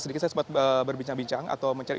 sedikit saya sempat berbincang bincang atau mencari